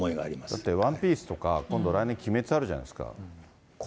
だってワンピースとか、今度来年、鬼滅あるじゃないですか。